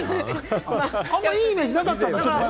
あんまりいいイメージなかったんだ。